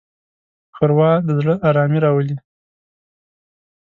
ښوروا د زړه ارامي راولي.